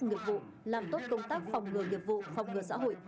nghiệp vụ làm tốt công tác phòng ngừa nghiệp vụ phòng ngừa xã hội